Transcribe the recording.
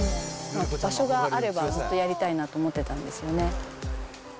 場所があればずっとやりたいなと思ってたんですよね。